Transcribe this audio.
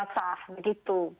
lahan basah begitu